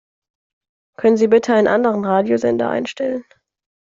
Können Sie bitte einen anderen Radiosender einstellen?